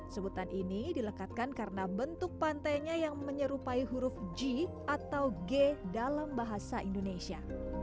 sebutan ini dilekatkan karena bentuk pantainya yang menyerupai huruf g atau g dalam bahasa indonesia